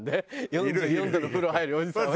４４度の風呂入るおじさんはね。